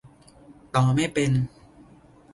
ต่อไม่เป็น